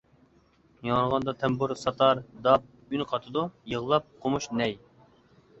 ياڭرىغاندا تەمبۇر، ساتار، داپ، ئۈن قاتىدۇ يىغلاپ قومۇش نەي.